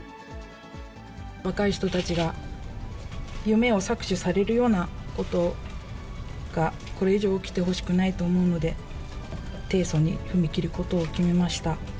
若い人たちが、夢を搾取されるようなことがこれ以上、起きてほしくないと思うので、提訴に踏み切ることを決めました。